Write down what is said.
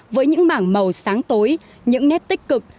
với những mảng màu sáng tối những nét tích cực